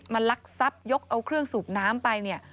ลักทรัพย์ยกเอาเครื่องสูบน้ำไปเนี่ย